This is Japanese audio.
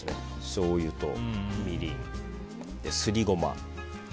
しょうゆとみりん、すりゴマ。